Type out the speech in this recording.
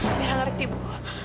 amirah ngerti bu